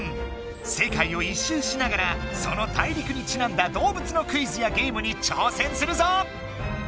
世界を一周しながらその大陸にちなんだ動物のクイズやゲームに挑戦するぞ！